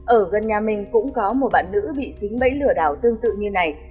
ở gần nhà mình cũng có một bạn nữ bị dính bẫy lừa đảo tương tự như này